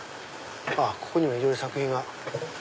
あっここにもいろいろ作品が。